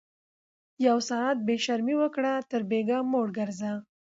ـ يو ساعت بې شرمي وکړه تر بيګاه موړ ګرځه